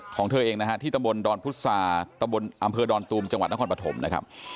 ของเธอเองนะฮะที่ตระบวนดอนพุทธศาสตร์ตระบวนอำเภอดอนตูมจังหวัดนครปฐมนะครับ